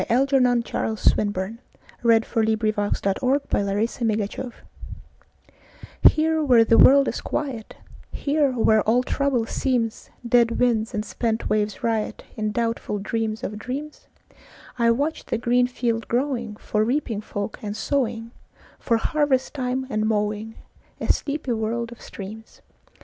Algernon Charles Swinburne 737. The Garden of Proserpine HERE, where the world is quiet, Here, where all trouble seemsDead winds' and spent waves' riotIn doubtful dreams of dreams;I watch the green field growingFor reaping folk and sowing, For harvest time and mowing,A sleepy world of streams.